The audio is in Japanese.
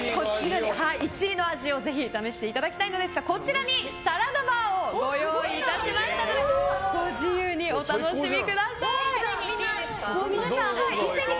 １位の味をぜひ試していただきたいんですがこちらにサラダバーをご用意いたしましたのでご自由にお楽しみください。